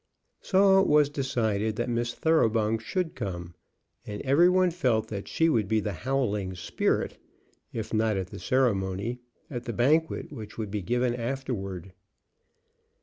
So it was decided that Miss Thoroughbung should come, and every one felt that she would be the howling spirit, if not at the ceremony, at the banquet which would be given afterward.